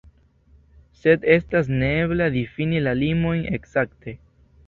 Sed estas neebla difini la limojn ekzakte.